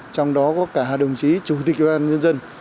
trong đó có cả đồng chí chủ tịch ủy ban nhân dân